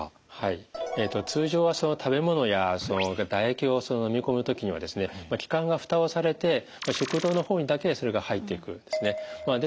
通常は食べ物や唾液を飲み込む時には気管がふたをされて食道の方にだけそれが入っていくんですね。